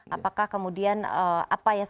apakah kemudian apa ya